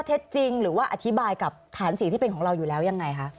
เท็จจริงหรือว่าอธิบายกับฐานสีที่เป็นของเราอยู่แล้วยังไงคะ